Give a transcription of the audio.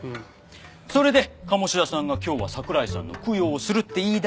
それで鴨志田さんが今日は桜井さんの供養をするって言い出して。